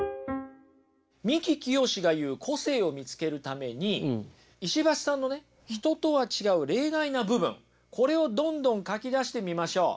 三木清が言う個性を見つけるために石橋さんのね人とは違う例外な部分これをどんどん書き出してみましょう。